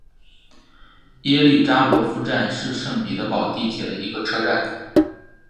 耶利扎罗夫站是圣彼得堡地铁的一个车站。